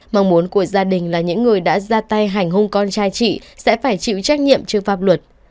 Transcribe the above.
mong muốn của gia đình là những người đã ra tay hành hung con trai chị sẽ phải chịu trách nhiệm trước pháp luật